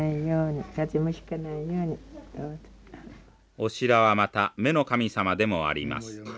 オシラはまた目の神様でもあります。